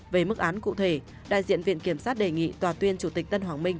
về mức án cụ thể đại diện viện kiểm sát đề nghị tòa tuyên chủ tịch tân hoàng minh